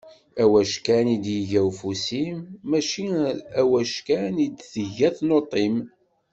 Awackan i d-yegga ufus-im, mačči aweckan i d-tegga tnuḍt-im.